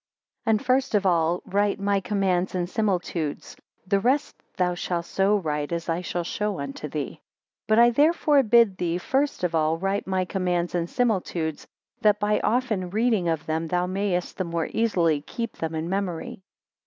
6 And first of all write my Commands and Similitudes, the rest thou shall so write as I shall show unto thee. But I therefore bid thee first of all write my Commands and Similitudes, that by often reading of them thou mayest the more easily keep them in memory.